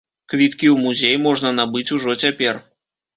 Квіткі ў музей можна набыць ужо цяпер.